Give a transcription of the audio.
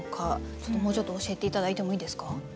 ちょっともうちょっと教えて頂いてもいいですか？